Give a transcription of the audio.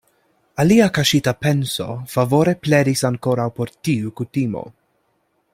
Alia kaŝita penso favore pledis ankoraŭ por tiu kutimo.